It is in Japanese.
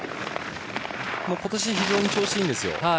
今年非常に調子がいいです。